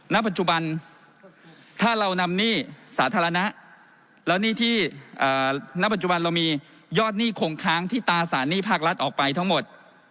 ณปัจจุบันถ้าเรานำหนี้สาธารณะแล้วหนี้ที่ณปัจจุบันเรามียอดหนี้คงค้างที่ตราสารหนี้ภาครัฐออกไปทั้งหมด